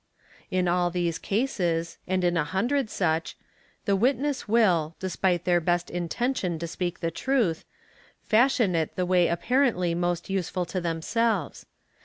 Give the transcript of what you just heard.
In all these cases and in a hundred such, the witnesses will, despite their best 'intention to speak the truth, fashion it the way apparently most useful (0 themselves.